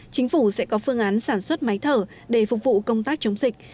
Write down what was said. chính phủ sẽ có phương án sản xuất máy thở để phục vụ công tác chống dịch